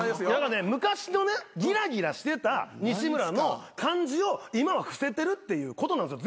昔のねギラギラしてた西村の感じを今は伏せてるっていうことなんですよ